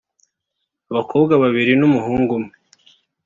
abakobwa babiri n’umuhungu umwe